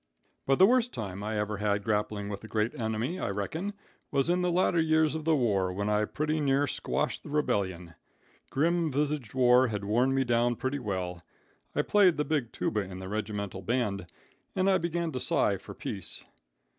"But the worst time I ever had grappling with the great enemy, I reckon, was in the later years of the war, when I pretty near squashed the rebellion. Grim visaged war had worn me down pretty well. I played the big tuba in the regimental band, and I began to sigh for peace.